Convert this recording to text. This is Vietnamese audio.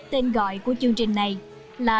tên gọi của chương trình này là